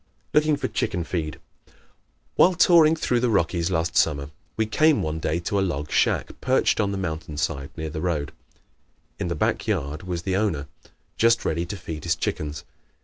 Looking for "Chicken Feed" ¶ While touring through the Rockies last summer we came one day to a log shack perched on the mountain side near the road. In the back yard was the owner, just ready to feed his chickens.